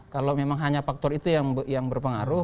kalau memang hanya faktor itu yang berpengaruh